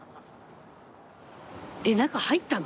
えっ中入ったの？